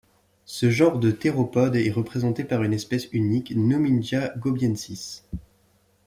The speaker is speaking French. Ce genre de théropodes est représenté par une espèce unique, Nomingia gobiensis.